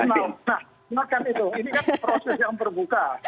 nah kan itu ini kan proses yang terbuka